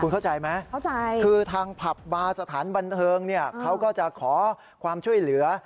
เข้าใจไหมเข้าใจคือทางผับบาร์สถานบันเทิงเนี่ยเขาก็จะขอความช่วยเหลือ